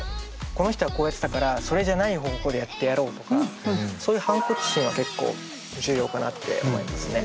この人はこうやってたからそれじゃない方法でやってやろうとかそういう反骨心は結構重要かなって思いますね。